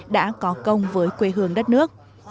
đã có công với quê hương đất nước